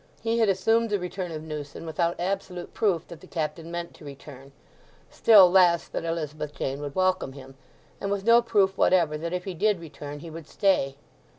He had assumed the return of Newson without absolute proof that the Captain meant to return; still less that Elizabeth Jane would welcome him; and with no proof whatever that if he did return he would stay.